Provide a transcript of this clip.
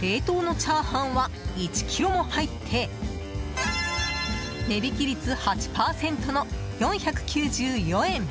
冷凍のチャーハンは１ｋｇも入って値引き率８％の４９４円。